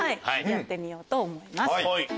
やってみようと思います。